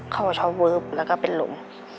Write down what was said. เขาชอบเวิร์ฟแล้วก็เป็นหลุม